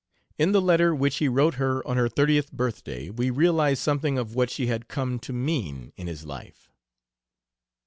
In the letter which he wrote her on her thirtieth birthday we realize something of what she had come to mean in his life.